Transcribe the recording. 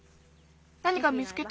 なにか見つけた。